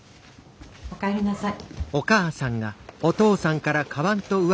お帰りなさい。